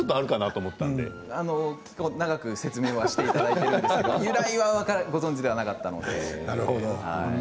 長く説明はしてもらっているんですが由来はご存じではなかったので。